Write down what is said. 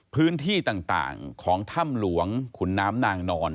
พื้นที่ต่างของถ้ำหลวงขุนน้ำนางนอน